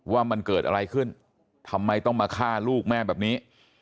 ว่ามันเกิดอะไรขึ้นทำไมต้องมาฆ่าลูกแม่แบบนี้